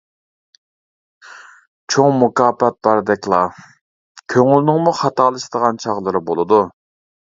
چوڭ مۇكاپات باردەكلا. -كۆڭۈلنىڭمۇ خاتالىشىدىغان چاغلىرى بولىدۇ.